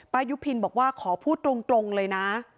ยุพินบอกว่าขอพูดตรงเลยนะ